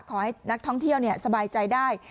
ขอให้นักท่องเที่ยวสบายใจได้